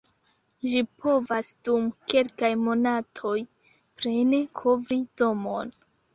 Ĝi povas dum kelkaj monatoj plene kovri domon.